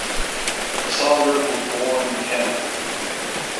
Saunders was born in Canada.